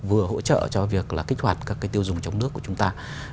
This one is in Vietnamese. vừa hỗ trợ cho việc kích hoạt các tiêu dùng chống nước của chúng ta